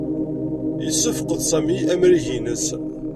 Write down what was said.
Yessefqed Sami amrig-nnes.